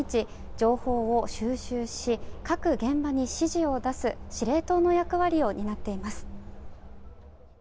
情報を収集し各現場に指示を出す司令塔の役割を担っています。